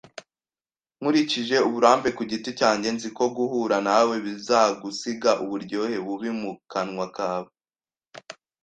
Nkurikije uburambe ku giti cyanjye, nzi ko guhura na we bizagusiga uburyohe bubi mu kanwa kawe